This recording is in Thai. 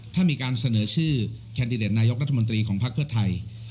ถ้ามีการเสนอชื่อแคนดิเดตนายกรัฐมนตรีของภักดิ์เพื่อไทย